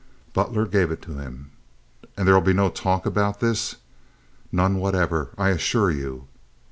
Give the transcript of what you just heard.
Butler gave it to him. "And there'll be no talk about this?" "None whatever—I assure you."